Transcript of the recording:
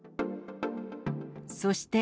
そして。